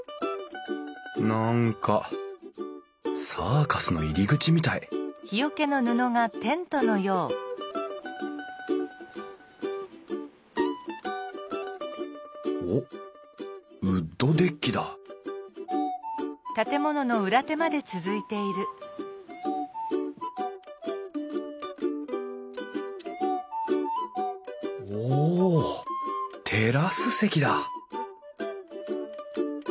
何かサーカスの入り口みたいおっウッドデッキだおテラス席だ